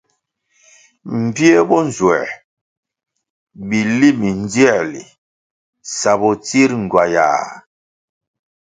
Mbvie bo nzuē bili mindziēli sa bo tsir ngywayah.